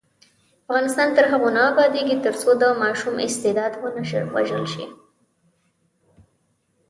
افغانستان تر هغو نه ابادیږي، ترڅو د ماشوم استعداد ونه وژل شي.